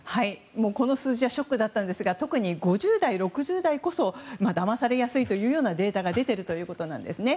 この数字はショックだったんですが特に５０代６０代こそだまされやすいというデータが出てるということなんです。